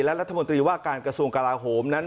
และอัตมมนตรีว่ากละกาศงกราโหม